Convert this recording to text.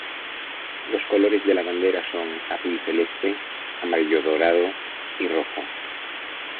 Los colores de la bandera son azul celeste, amarillo dorado y rojo.